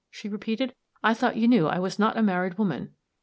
she repeated. "I thought you knew I was not a married woman."